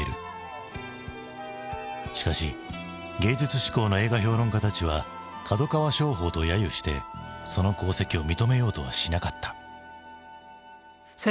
しかし芸術志向の映画評論家たちは「角川商法」と揶揄してその功績を認めようとはしなかった。